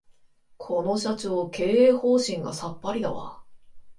この社長、経営方針がさっぱりだわ